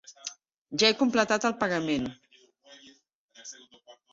Ja he completat el pagament.